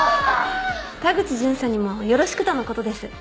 田口巡査にもよろしくとの事です。